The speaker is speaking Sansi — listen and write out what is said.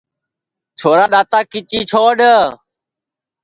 چھورا دؔاتا کیچی چھوڈؔ